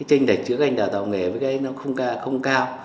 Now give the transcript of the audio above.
thì người ta cũng không có nhu cầu